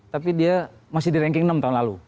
tapi dia masih di ranking enam tahun lalu